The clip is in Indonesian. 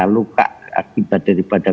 luka akibat daripada